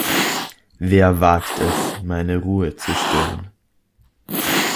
Wer wagt es, meine Ruhe zu stören?